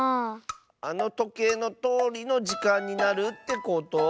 あのとけいのとおりのじかんになるってこと？